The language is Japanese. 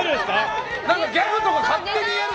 ギャグとか勝手にやるの。